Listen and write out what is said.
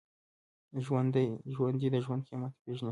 ژوندي د ژوند قېمت پېژني